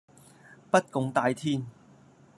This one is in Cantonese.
不共戴天